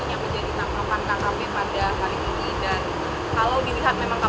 yaitu di mana dengan pasir panjang di seluruh semingau l dipanggang